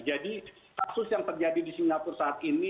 jadi kasus yang terjadi di singapura saat ini